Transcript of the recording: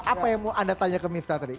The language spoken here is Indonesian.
apa yang mau anda tanya ke miftah tadi